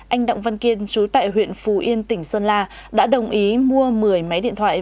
anh đặng văn kiên chú tại huyện phù yên tỉnh sơn la đã đồng ý mua một mươi máy điện thoại